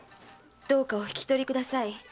どうかお引き取りください。